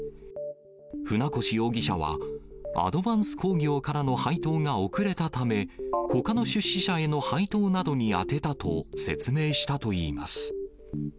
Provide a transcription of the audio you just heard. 船越容疑者は、アドヴァンス工業からの配当が遅れたため、ほかの出資者への配当などに充てたと説明したといいます。